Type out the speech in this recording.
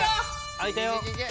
開いたよ！